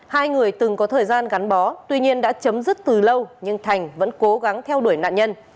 hai người từng có thời gian gắn bó tuy nhiên đã chấm dứt từ lâu nhưng thành vẫn cố gắng theo đuổi nạn nhân